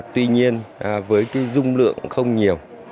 tuy nhiên với cái dung lượng không nhiều